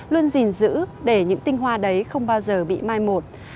luôn gìn giữ để những tinh hoa đấy không bao giờ bị mai một